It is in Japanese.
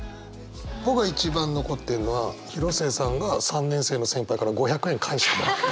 僕が一番残ってるのは広末さんが３年生の先輩から５００円返してもらった。